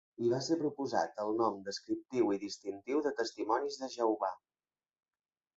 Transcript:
Hi va ser proposat el nom descriptiu i distintiu de Testimonis de Jehovà.